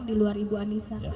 di luar ibu anissa